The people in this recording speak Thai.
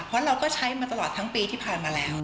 เพราะเราก็ใช้มาตลอดทั้งปีที่ผ่านมาแล้ว